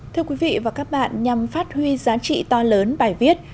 thưa quý vị và các bạn nhằm phát huy giá trị to lớn bài viết